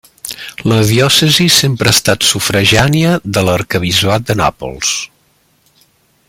La diòcesi sempre ha estat sufragània de l'arquebisbat de Nàpols.